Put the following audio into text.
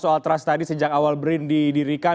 soal trust tadi sejak awal brin didirikan